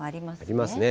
ありますね。